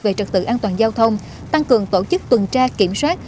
về trật tự an toàn giao thông tăng cường tổ chức tuần tra kiểm soát